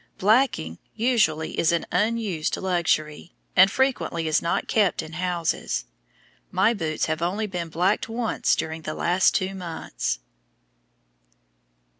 Blacking usually is an unused luxury, and frequently is not kept in houses. My boots have only been blacked once during the last two months.